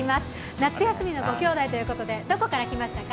夏休みのご兄弟ということでどこから来ましたか？